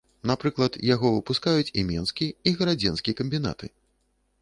Напрыклад, яго выпускаюць і менскі, і гарадзенскі камбінаты.